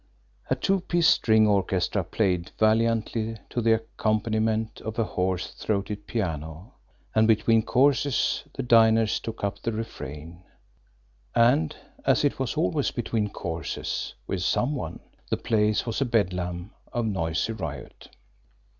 A two piece string orchestra played valiantly to the accompaniment of a hoarse throated piano; and between courses the diners took up the refrain and, as it was always between courses with some one, the place was a bedlam of noisy riot.